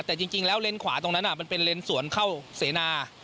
แต่จริงแล้วเลนขวาตรงนั้นมันเป็นเลนสวนเข้าเสนา